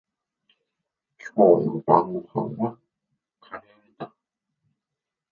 今日の晩ごはんはカレーだ。